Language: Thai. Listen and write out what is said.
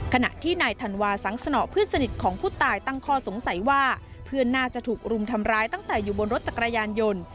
ขณะที่นายธันวาสังสนอเพื่อนสนิทของผู้ตายตั้งข้อสงสัยว่าเพื่อนน่าจะถูกรุมทำร้ายตั้งแต่อยู่บนรถจักรยานยนต์